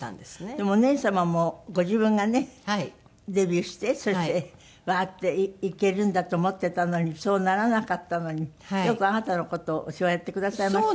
でもお姉様もご自分がねデビューしてそしてワーッていけるんだと思っていたのにそうならなかったのによくあなたの事をお世話やってくださいましたよね。